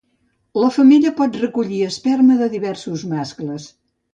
La femella pot recollir esperma de diversos mascles.